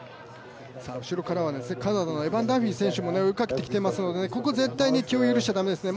後ろからはカナダのエバン・ダンフィー選手も追いかけてきていますのでここ絶対に気を許してはいけないですね